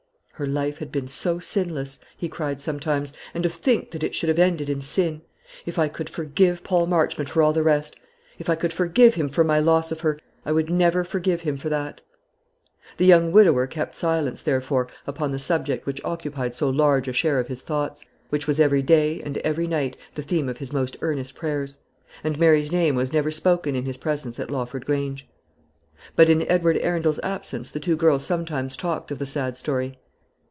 "Her life had been so sinless," he cried sometimes; "and to think that it should have ended in sin! If I could forgive Paul Marchmont for all the rest if I could forgive him for my loss of her, I would never forgive him for that." The young widower kept silence, therefore, upon the subject which occupied so large a share of his thoughts, which was every day and every night the theme of his most earnest prayers; and Mary's name was never spoken in his presence at Lawford Grange. But in Edward Arundel's absence the two girls sometimes talked of the sad story.